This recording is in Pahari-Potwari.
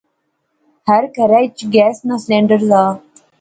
ہر کہرا اچ گیس نا سلنڈر زا